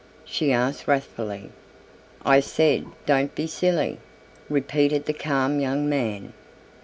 she asked wrathfully. "I said 'don't be silly,'" repeated the calm young man.